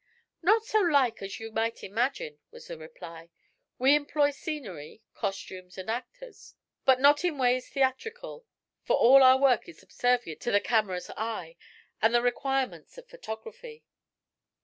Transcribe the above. "Not so like as you might imagine," was the reply. "We employ scenery, costumes and actors, but not in ways theatrical, for all our work is subservient to the camera's eye and the requirements of photography."